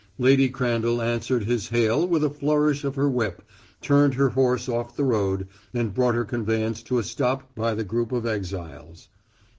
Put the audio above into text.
Lady Crandall answered his hail with a flourish of her whip, turned her horse off the road, and brought her conveyance to a stop by the group of exiles.